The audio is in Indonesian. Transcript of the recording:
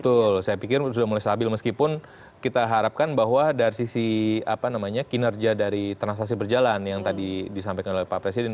betul saya pikir sudah mulai stabil meskipun kita harapkan bahwa dari sisi kinerja dari transaksi berjalan yang tadi disampaikan oleh pak presiden